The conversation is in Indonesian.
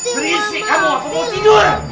hei anak kecil